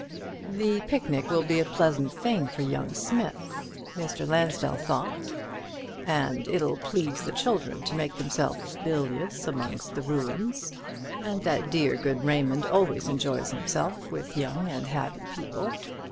"The picnic will be a pleasant thing for young Smith," Mr. Lansdell thought; "and it'll please the children to make themselves bilious amongst ruins; and that dear good Raymond always enjoys himself with young and happy people.